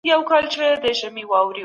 دې لويـه نړۍ كي ګراني!